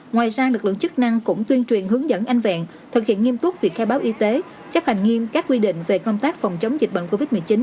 ngoài ra lực lượng chức năng cũng tuyên truyền hướng dẫn anh vẹn thực hiện nghiêm túc việc khai báo y tế chấp hành nghiêm các quy định về công tác phòng chống dịch bệnh covid một mươi chín